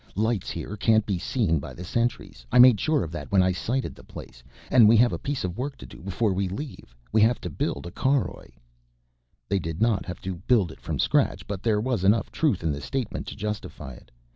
Lights here can't be seen by the sentries, I made sure of that when I sited the place. And we have a piece of work to do before we leave we have to build a caroj." They did not have to build it from scratch, but there was enough truth in the statement to justify it.